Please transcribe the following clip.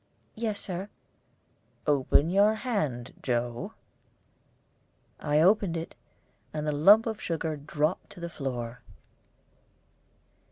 "Yes, Sir." "Open your hand, Joe." I opened it, and the lump of sugar dropped to the floor.